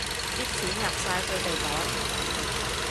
啲錢入晒佢哋袋